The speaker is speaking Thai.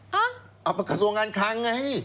เอากระทรวงการคลังไง